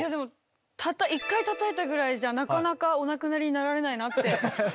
たった一回たたいたぐらいじゃなかなかお亡くなりになられないなって。